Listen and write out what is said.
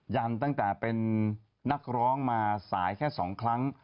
ยันตั้งแต่เป็นนักร้องมาสายแค่๒ครั้ง